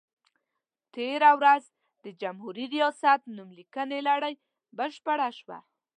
تېره ورځ د جمهوري ریاست نوم لیکنې لړۍ بشپړه شوه.